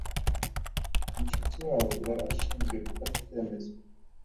Mushikiwabo yari ashinzwe gufata icyemezo